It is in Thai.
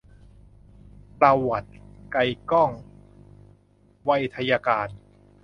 ประวัติ ไกลก้อง ไวทยการ